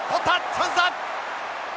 チャンスだ！